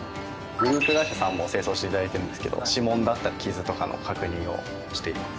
グループ会社さんも清掃して頂いてるんですけど指紋だったり傷とかの確認をしています。